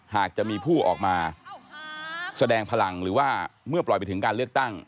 หากจะมีผู้ออกมาแสดงพลังหรือว่าเมื่อปล่อยไปถึงการเลือกตั้ง